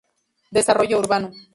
Desarrollo Urbano.